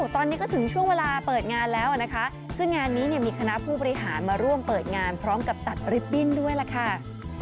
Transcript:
ตอนนี้ก็ถึงช่วงเวลาเปิดงานแล้วนะคะซึ่งงานนี้มีคณะผู้บริหารมาร่วมเปิดงานพร้อมกับตัดริปบิ้นด้วยล่ะค่ะ